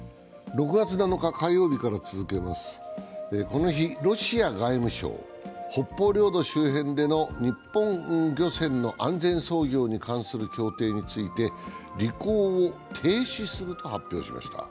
この日ロシア外務省北方領土周辺での日本漁船の安全操業に関する協定について履行を停止すると発表しました。